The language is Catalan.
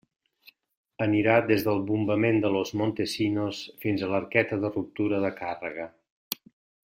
Anirà des del bombament de Los Montesinos fins a l'arqueta de ruptura de càrrega.